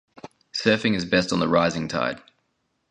Surfing is best on the rising tide.